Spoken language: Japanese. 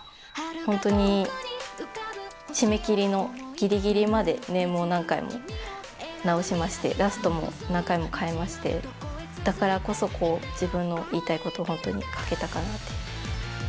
本当に締め切りのぎりぎりまで、ネームを何回も直しまして、ラストも何回も変えまして、だからこそ、自分の言いたいことが描けたかなって。